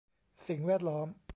สิ่งแวดล้อม